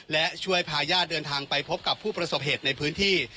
และช่วยพาญาติเดินทางไปพบกับผู้ประสบเหตุในพื้นที่